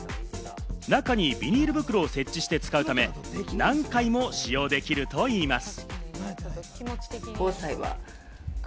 中にビニール袋を設置して使うため、何回も使用できるといいます。